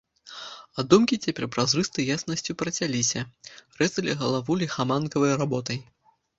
А думкі цяпер празрыстай яснасцю працяліся, рэзалі галаву ліхаманкавай работай.